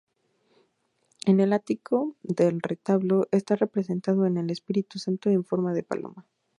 En el ático del retablo está representado el Espíritu Santo en forma de paloma.